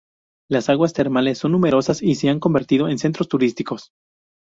Las aguas termales son numerosas y se han convertido en centros turísticos.